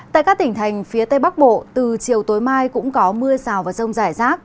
tại các tỉnh thành phía tây bắc bộ từ chiều tối mai cũng có mưa rào và rông rải rác